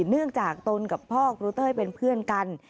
เนื่องจากตนกับพ่อครูเต้ยเป็นเพื่อนกัน